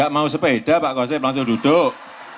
gak mau sepeda pak khosyif langsung duduk